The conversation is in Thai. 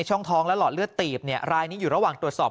ช่องท้องและหลอดเลือดตีบรายนี้อยู่ระหว่างตรวจสอบ